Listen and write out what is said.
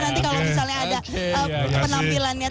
nanti kalau misalnya ada penampilannya